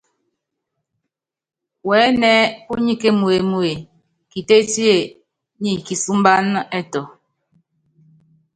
Wɛɛ́nɛ ɛ́ɛ́ púnyi kémuémue, Kitétí nyi kisúmbána ɛtɔ.